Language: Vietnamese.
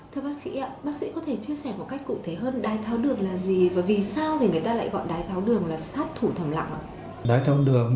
thưa bác sĩ bác sĩ có thể chia sẻ một cách cụ thể hơn đai tháo đường là gì và vì sao người ta lại gọi đai tháo đường